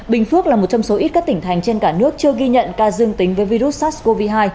bình phước là một trong số ít các tỉnh thành trên cả nước chưa ghi nhận ca dương tính với virus sars cov hai